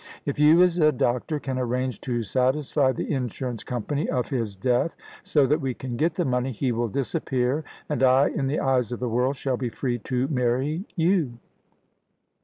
If you as a doctor can arrange to satisfy the insurance company of his death, so that we can get the money, he will disappear, and I, in the eyes of the world, shall be free to marry you."